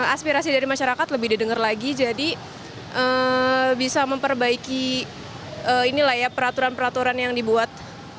aspirasi dari masyarakat lebih didengar lagi jadi bisa memperbaiki peraturan peraturan yang dibuat